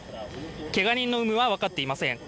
けが人の有無は分かっていません。